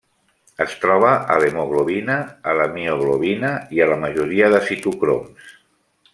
Es troba a l'hemoglobina, a la mioglobina i a la majoria de citocroms.